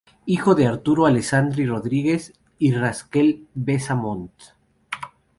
Hijo de Arturo Alessandri Rodríguez y Raquel Besa Montt.